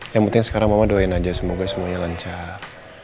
yang penting sekarang mama doain aja semoga semuanya lancar